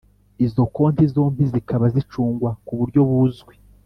izo konti zombi zikaba zicungwa kuburyo buzwi